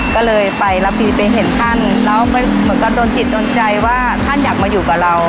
ก็เลยไปรับปีไปเห็นท่านแล้วเหมือนกับโดนจิตโดนใจว่าท่านอยากมาอยู่กับเรา